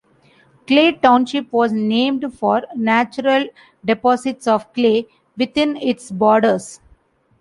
Clay Township was named for natural deposits of clay within its borders.